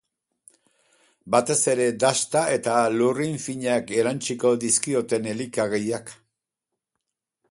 Batez ere dasta eta lurrin finak erantsiko dizkioten elikagaiak.